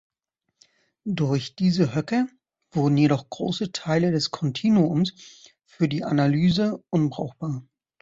Durch diese Höcker wurden jedoch große Teile des Kontinuums für die Analyse unbrauchbar.